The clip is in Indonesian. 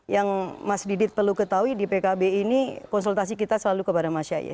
yang mas didit perlu ketahui di pkb ini konsultasi kita selalu kepada mas yaye